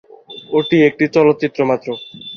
ওটি একটি চলচ্চিত্র মাত্র।